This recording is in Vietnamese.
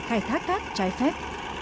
khai thác các trái phép